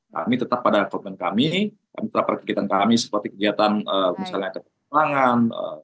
kami tetap pada kompen kami kami tetap perkembangan kami seperti kegiatan misalnya ketentangan